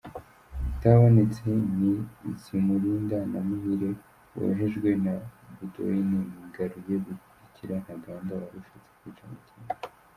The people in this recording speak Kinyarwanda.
Utahabonetse ni Zimulinda na Muhire bohejwe na Bodouin Ngaruye gukurikira Ntaganda warushatse kwica Makenga.